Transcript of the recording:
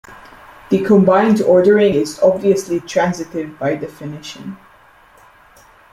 The combined ordering is obviously transitive by definition.